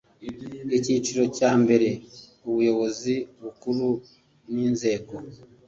Icyiciro cya mbere Ubuyobozi Bukuru n inzego